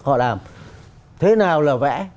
họ làm thế nào là vẽ